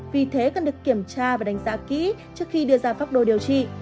vì thế cần được kiểm tra và đánh giá kỹ trước khi đưa ra pháp đồ điều trị